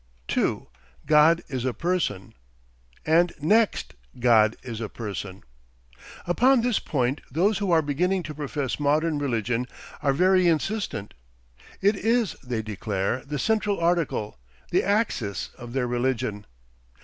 2. GOD IS A PERSON And next GOD IS A PERSON. Upon this point those who are beginning to profess modern religion are very insistent. It is, they declare, the central article, the axis, of their religion.